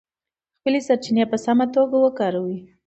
خپلې سرچینې په سمه توګه وکاروئ.